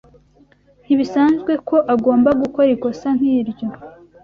Ntibisanzwe ko agomba gukora ikosa nkiryo.